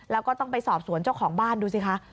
แล้วก็ต้องไปสอบสวนเจ้าของบ้านดูสิคะ